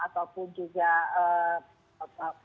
ataupun juga yang lainnya yang berbeda